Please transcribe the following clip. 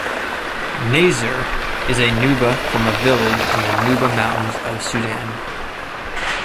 Nazer is a Nuba from a village in the Nuba mountains of Sudan.